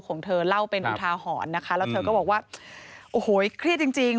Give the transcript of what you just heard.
ของเธอเล่าเป็นอุทาหรณ์นะคะแล้วเธอก็บอกว่าโอ้โหเครียดจริงจริง